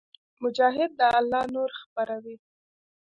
مجاهد د الله نور خپروي.